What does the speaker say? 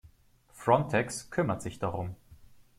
Frontex kümmert sich darum.